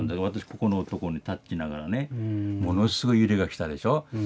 私ここのとこにタッチしながらねものすごい揺れが来たでしょ？